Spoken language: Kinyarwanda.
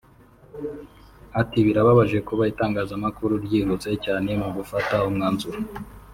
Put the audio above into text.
Ati “Birababaje kuba itangazamakuru ryihuse cyane mu gufata umwanzuro